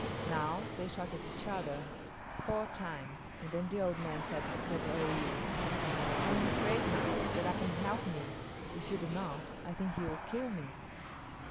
Now, they shot at each other four times, and then the old man said to Kut o yis´, "I am afraid now; get up and help me. If you do not, I think he will kill me."